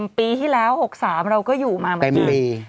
ปีที่แล้ว๖๓เราก็อยู่มาเหมือนกัน